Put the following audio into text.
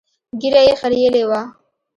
ږيره يې خرييلې وه.